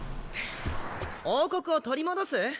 王国を取り戻す？